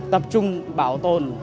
tập trung bảo tồn